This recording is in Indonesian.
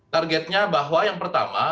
targetnya bahwa yang pertama